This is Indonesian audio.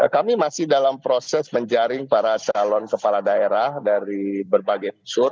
kami masih dalam proses menjaring para calon kepala daerah dari berbagai unsur